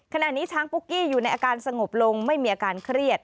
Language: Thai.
ขณะนี้ช้างปุ๊กกี้อยู่ในอาการสงบลงไม่มีอาการเครียด